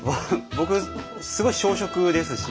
僕すごい小食ですし。